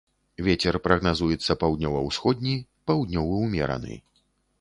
Вецер прагназуецца паўднёва-ўсходні, паўднёвы ўмераны.